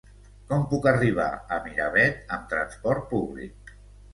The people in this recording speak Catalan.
Com puc arribar a Miravet amb trasport públic?